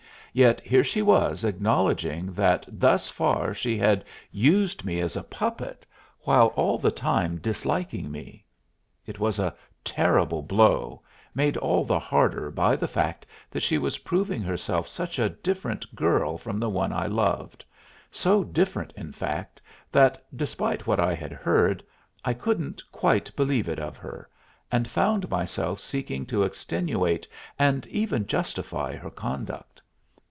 Yet here she was acknowledging that thus far she had used me as a puppet, while all the time disliking me. It was a terrible blow, made all the harder by the fact that she was proving herself such a different girl from the one I loved, so different, in fact, that, despite what I had heard, I couldn't quite believe it of her, and found myself seeking to extenuate and even justify her conduct.